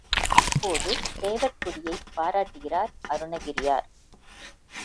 இப்போது சேவற்கொடியைப் பாராட்டுகிறார் அருணகிரியார்.